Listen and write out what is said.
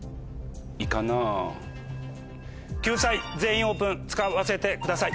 救済「全員オープン」使わせてください。